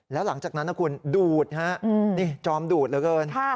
แล้วหลังจากนั้นนะคุณดูดฮะนี่จอมดูดเหลือเกิน